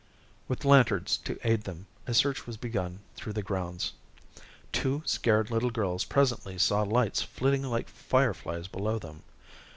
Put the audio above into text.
With lanterns to aid them, a search was begun through the grounds. Two scared little girls presently saw lights flitting like fireflies below them.